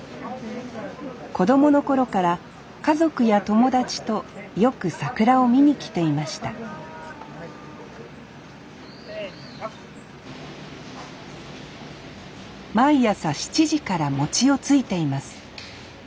子供の頃から家族や友達とよく桜を見に来ていました毎朝７時から餅をついています。